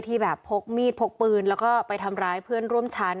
ที่แบบพกมีดพกปืนแล้วก็ไปทำร้ายเพื่อนร่วมชั้น